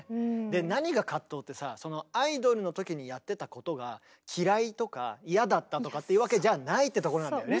で何が藤ってさそのアイドルの時にやってたことが嫌いとか嫌だったとかっていうわけじゃないってところなんだよね。